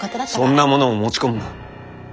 そんなものを持ち込むな。